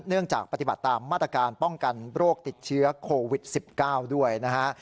เนื่องจากปฏิบัติตามมาตรการป้องกันโรคติดเชื้อโควิด๑๙ด้วยนะฮะ